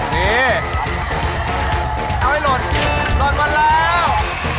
นี่เอาให้หล่นหล่นก่อนแล้ว